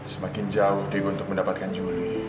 semakin jauh dia untuk mendapatkan julie